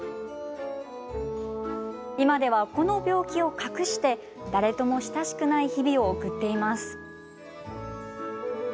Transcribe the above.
今では、この病気を隠し、誰とも親しくしない日々を送っています。